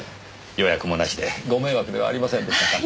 予約もなしでご迷惑ではありませんでしたか？